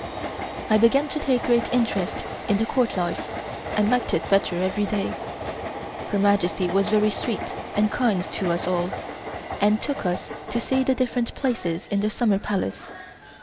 I began to take great interest in the Court life, and liked it better every day. Her Majesty was very sweet and kind to us always, and took us to see the different places in the Summer Palace.